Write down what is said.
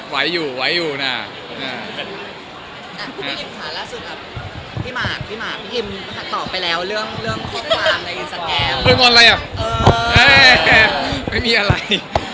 มันมีอะไร